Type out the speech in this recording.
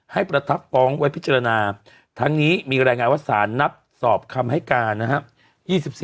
ประทับฟ้องไว้พิจารณาทั้งนี้มีรายงานว่าสารนัดสอบคำให้การนะครับ